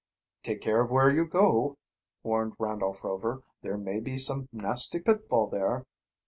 "Take care of where you go," warned Randolph Rover. "There may be some nasty pitfall there."